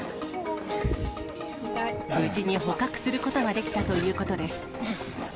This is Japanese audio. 無事に捕獲することができたということです。